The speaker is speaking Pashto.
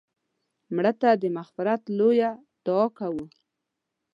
مړه ته د مغفرت لویه دعا کوو